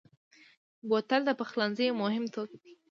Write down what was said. بوتل د پخلنځي یو مهم توکی دی.